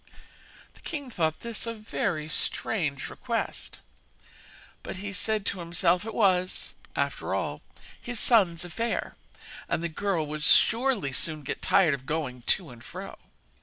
The king thought this a very strange request; but said to himself it was, after all, his son's affair, and the girl would surely soon get tired of going to and fro.